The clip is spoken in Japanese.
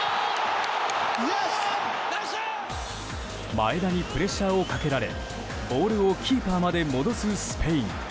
前田にプレッシャーをかけられボールをキーパーまで戻すスペイン。